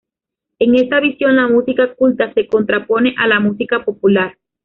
En esta visión la música culta se contrapone a la música popular.